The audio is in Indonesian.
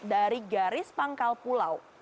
dari garis pangkal pulau